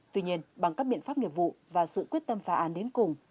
tuy nhiên bằng các biện pháp nghiệp vụ và sự quyết tâm phá án đến cùng